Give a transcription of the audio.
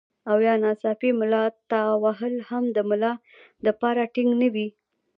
او يا ناڅاپي ملا تاوهل هم د ملا د پاره ټيک نۀ وي